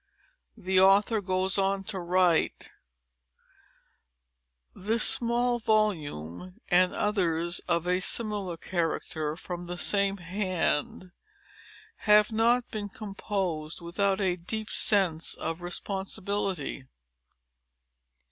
This small volume, and others of a similar character, from the same hand, have not been composed without a deep sense of responsibility.